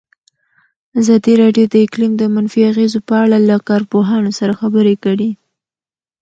ازادي راډیو د اقلیم د منفي اغېزو په اړه له کارپوهانو سره خبرې کړي.